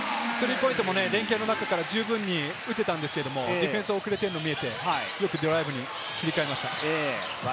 スリーポイントも連係になってから、十分に打てたんですけれども、ディフェンスが遅れているのが見えて、よくドライブに切り替えました。